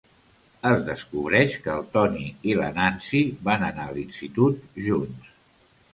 Es descobreix que el Tony i la Nancy van anar a l'institut junts.